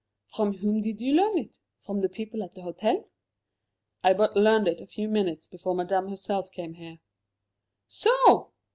"From whom did you learn it? From the people at the hotel?" "I but learned it a few minutes before Madame herself came here." "So!